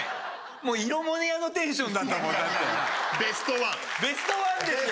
もうイロモネアのテンションだったもんだってベストワンベストワンですよ